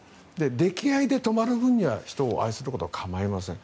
溺愛で止まる分には人を愛することは構いません。